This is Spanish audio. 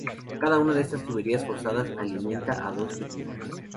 Cada una de estas tuberías forzadas alimenta a dos turbinas.